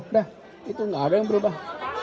udah itu nggak ada yang berubah